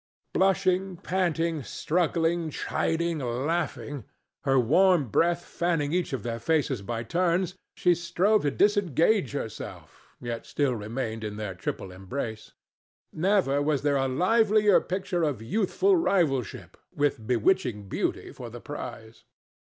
Blushing, panting, struggling, chiding, laughing, her warm breath fanning each of their faces by turns, she strove to disengage herself, yet still remained in their triple embrace. Never was there a livelier picture of youthful rivalship, with bewitching beauty for the prize.